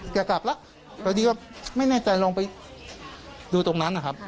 กลับแล้วพอดีก็ไม่แน่ใจลองไปดูตรงนั้นนะครับ